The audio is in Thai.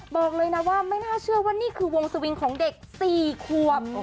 บอกเลยนะว่าไม่น่าเชื่อว่านี่คือวงสวิงของเด็ก๔ขวบ